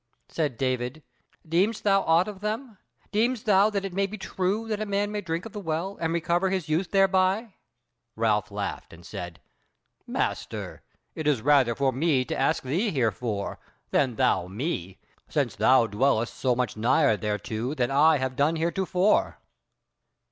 Said David: "Deemest thou aught of them? deemest thou that it may be true that a man may drink of the Well and recover his youth thereby?" Ralph laughed and said: "Master, it is rather for me to ask thee hereof, than thou me, since thou dwellest so much nigher thereto than I have done heretofore."